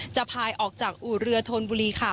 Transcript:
พายออกจากอู่เรือธนบุรีค่ะ